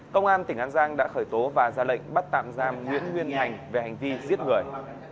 công an tỉnh an giang đã khởi tố và ra lệnh bắt tạm giam nguyễn nguyên hành về hành vi giết người